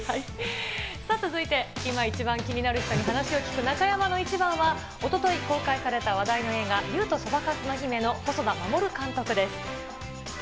続いて、今一番気になる人に話を聞く中山のイチバンは、おととい公開された話題の映画、竜とそばかすの姫の細田守監督です。